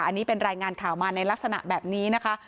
อันนี้เป็นรายงานข่าวมาในลักษณะแบบนี้นะคะ